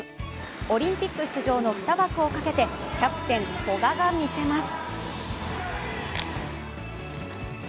オリンピック出場の２枠をかけて、キャプテン・古賀がみせます。